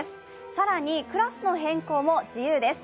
更に、クラスの変更も自由です。